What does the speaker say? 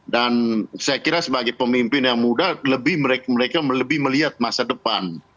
dan saya kira sebagai pemimpin yang muda mereka lebih melihat masa depan